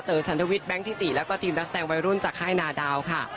สันทวิตแก๊งทิติแล้วก็ทีมนักแสดงวัยรุ่นจากค่ายนาดาวค่ะ